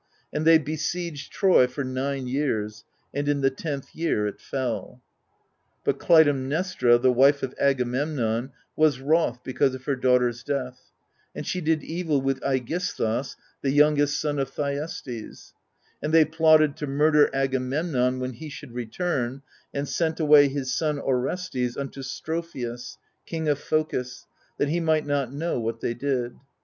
And they besieged Troy for nine years, and in the tenth year it fell. But Clytemnestra, the wife of Agamemnon, was wroth because of her daughter's death ; and she did evil with iEgisthus, the youngest son of Thyestes ; and they plotted to murder Agamemnon when he should return, and sent away his son Orestes unto Strophius, king of Phocis, that he might not know what they did.